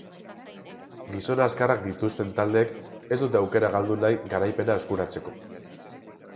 Gizon azkarrak dituzten taldeek ez dute aukera galdu nahi garaipena eskuratzeko.